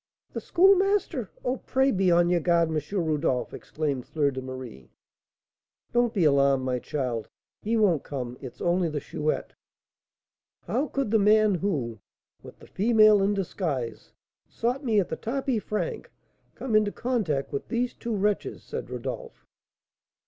"The Schoolmaster! Oh, pray be on your guard, M. Rodolph," exclaimed Fleur de Marie. "Don't be alarmed, my child, he won't come; it's only the Chouette." "How could the man who, with the female in disguise, sought me at the tapis franc, come into contact with these two wretches?" said Rodolph.